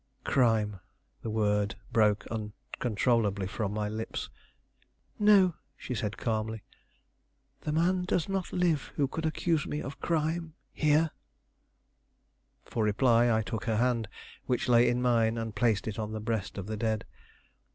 "Crime!" The word broke uncontrollably from my lips; "crime!" "No," she said calmly, "the man does not live who could accuse me of crime, here." For reply, I took her hand, which lay in mine, and placed it on the breast of the dead.